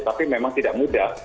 tapi memang tidak mudah